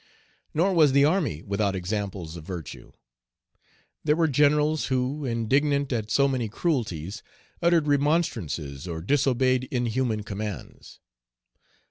Nor was the army without examples of virtue. There were generals who, indignant at so many cruelties, uttered remonstrances, or disobeyed inhuman commands.